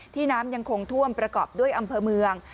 น้ำยังคงท่วมประกอบด้วยอำเภอเมือง